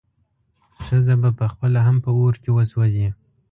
ښځه به پخپله هم په اور کې وسوځي.